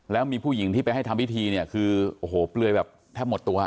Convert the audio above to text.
แล้วมีผู้หญิงที่ไปให้ทำพิธีเนี่ยคือโอ้โหเปลือยแบบแทบหมดตัว